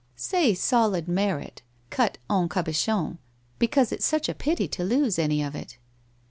'Say solid merit, cut en cahochon, because it's such a pity to lose any of it